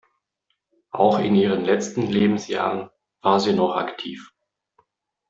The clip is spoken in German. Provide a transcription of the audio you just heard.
Auch in ihren letzten Lebensjahren war sie noch aktiv.